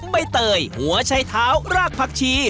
ใบเตยหัวชัยเท้ารากผักชี